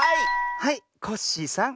はいコッシーさん。